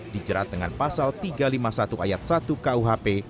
dijerat dengan pasal tiga ratus lima puluh satu ayat satu kuhp